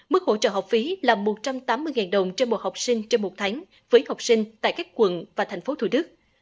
mức hỗ trợ học phí là một trăm tám mươi đồng cho một học sinh trong một tháng với học sinh tại các quận và thành phố thủ đức